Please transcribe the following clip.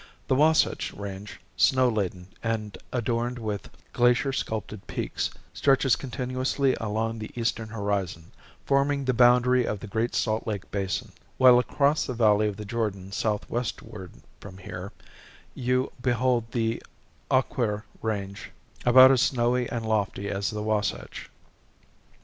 The Wahsatch Range, snow laden and adorned with glacier sculpted peaks, stretches continuously along the eastern horizon, forming the boundary of the Great Salt Lake Basin; while across the valley of the Jordan southwestward from here, you behold the Oquirrh Range, about as snowy and lofty as the Wahsatch.